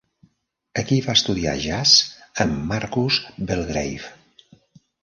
Aquí va estudiar jazz amb Marcus Belgrave.